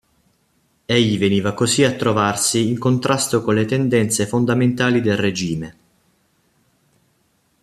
Egli veniva così a trovarsi in contrasto con le tendenze fondamentali del regime.